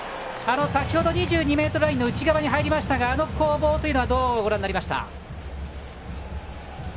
先程２２ｍラインの内側に入りましたがあの攻防はどうご覧になりましたか。